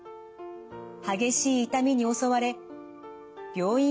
激しい痛みに襲われ病院を受診。